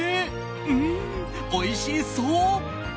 うーん、おいしそう！